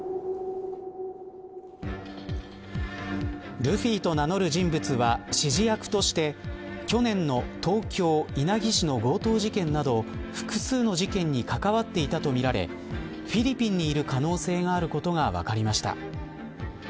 ルフィと名乗る人物は指示役として去年の東京、稲城市の強盗事件など複数の事件に関わっていたとみられフィリピンにいる可能性があることが分かりました。